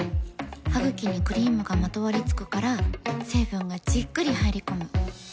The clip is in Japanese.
ハグキにクリームがまとわりつくから成分がじっくり入り込む。